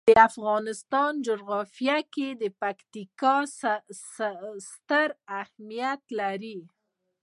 د افغانستان جغرافیه کې پکتیکا ستر اهمیت لري.